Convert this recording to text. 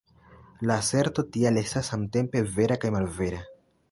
La aserto tial estas samtempe vera kaj malvera”.